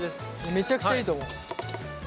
めちゃくちゃいいと思う。